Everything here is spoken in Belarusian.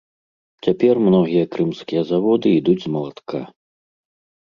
Цяпер многія крымскія заводы ідуць з малатка.